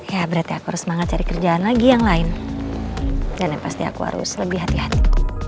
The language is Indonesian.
ya berarti aku harus semangat cari kerjaan lagi yang lain dan yang pasti aku harus lebih hati hati